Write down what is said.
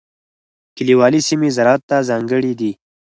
کلیوالي سیمې زراعت ته ځانګړې دي.